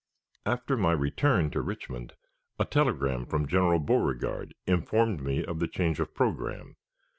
After my return to Richmond, a telegram from General Beauregard informed me of the change of programme.